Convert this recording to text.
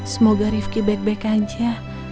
semoga rifki baik baik aja